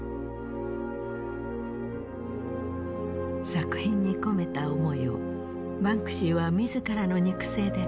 作品に込めた思いをバンクシーは自らの肉声で語っている。